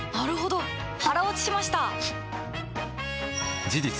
腹落ちしました！